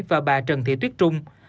và bà trần thị tuyết trung